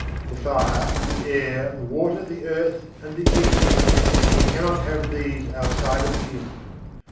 The fire, the air, the water, the earth, and the aether; you cannot have these outside of Him.